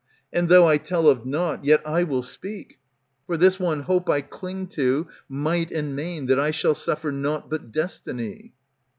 And though I tell of nought, yet I will speak ; For this one hope I cling to, might and main. That I shall suffer nought but destiny.